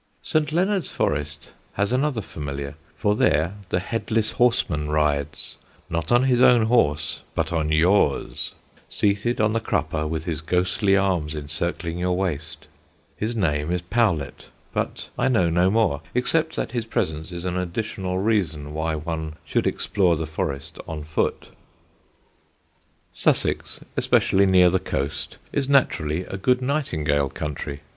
St. Leonard's Forest has another familiar; for there the headless horseman rides, not on his own horse, but on yours, seated on the crupper with his ghostly arms encircling your waist. His name is Powlett, but I know no more, except that his presence is an additional reason why one should explore the forest on foot. [Sidenote: SUSSEX NIGHTINGALES] Sussex, especially near the coast, is naturally a good nightingale country.